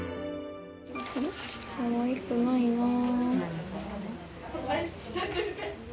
かわいくないなあ。